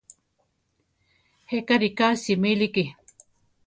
Jéka riká simíliki.